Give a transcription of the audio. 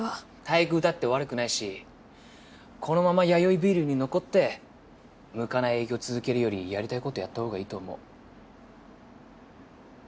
待遇だって悪くないしこのまま弥生ビールに残って向かない営業続けるよりやりたい事やったほうがいいと思う。